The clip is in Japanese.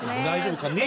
大丈夫か？